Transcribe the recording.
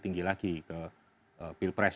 tinggi lagi ke pilpres